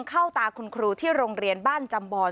เข้าตาคุณครูที่โรงเรียนบ้านจำบอย